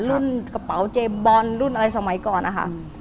กระเป๋าเจบอลรุ่นอะไรสมัยก่อนนะคะ